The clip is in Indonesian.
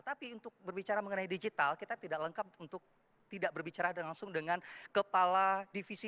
tapi untuk berbicara mengenai digital kita tidak lengkap untuk tidak berbicara langsung dengan kepala divisi